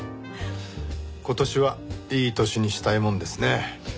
今年はいい年にしたいもんですね。